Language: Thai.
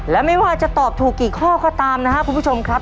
และไม่ว่าจะตอบถูกกี่ข้อก็ตามนะครับคุณผู้ชมครับ